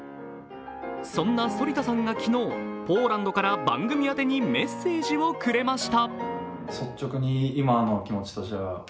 そんな反田さんが昨日、ポーランドから番組宛てにメッセージをくれました。